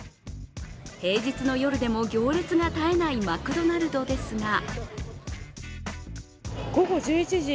平日の夜でも行列が絶えないマクドナルドですが午後１１時。